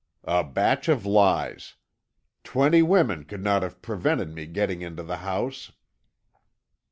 "A batch of lies. Twenty women could not have prevented me getting into the house."